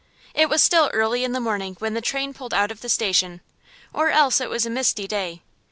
It was still early in the morning when the train pulled out of the station, or else it was a misty day.